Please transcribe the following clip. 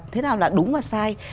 thế nào là đúng và sai